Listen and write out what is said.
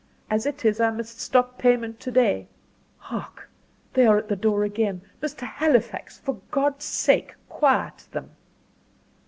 As it is I must stop payment to day. Hark! they are at the door again! Mr. Halifax, for God's sake quiet them!"